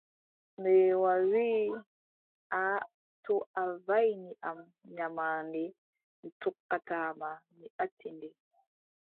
Mbeewa wii: aaʼa to a waʼini am, nyamaande mi tokkata ma, mi acci nde.